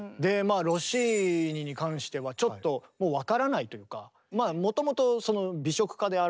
ロッシーニに関してはちょっともう分からないというか。